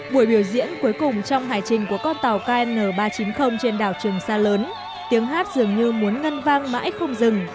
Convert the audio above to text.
buổi biểu diễn cuối cùng trong hải trình của con tàu kn ba trăm chín mươi trên đảo trường sa lớn tiếng hát dường như muốn ngân vang mãi không dừng